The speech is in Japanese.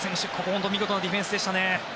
本当に見事なディフェンスでしたね。